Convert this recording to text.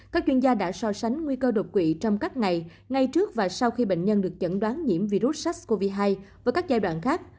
các chuyên gia đã so sánh nguy cơ đột quỵ trong các ngày ngay trước và sau khi bệnh nhân được chẩn đoán nhiễm virus sars cov hai với các giai đoạn khác